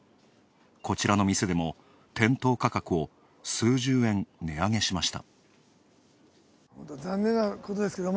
こちらの店でも店頭価格を数十円値上げしました。